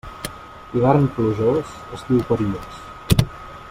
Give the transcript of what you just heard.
Hivern plujós, estiu perillós.